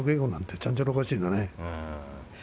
ちゃんちゃらおかしいね。